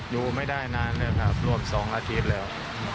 อยู่ไม่ได้นานแล้วครับร่วม๒อาทิตย์แล้ว